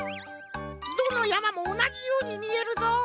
どのやまもおなじようにみえるぞ。